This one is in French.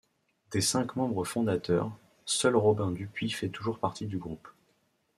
Des cinq membres fondateurs, seul Robin Dupuis fait toujours partie du groupe.